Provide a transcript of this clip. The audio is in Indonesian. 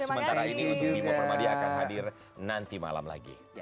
sementara ini untuk bimo permadi akan hadir nanti malam lagi